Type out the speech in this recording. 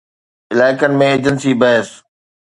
علائقن ۾ ايجنسي بحث